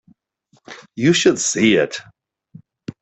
You should see it.